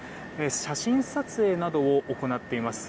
写真撮影などを行っています。